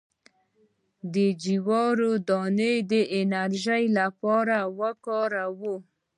د جوار دانه د انرژي لپاره وکاروئ